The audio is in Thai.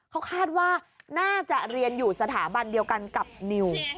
เขาคาดว่าน่าจะเรียนอยู่สถาบันเดียวกันกับนิว